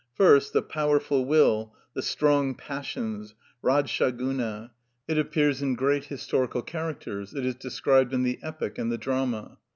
First, the powerful will, the strong passions (Radscha Guna). It appears in great historical characters; it is described in the epic and the drama.